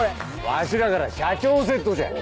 わしらから社長セットじゃ！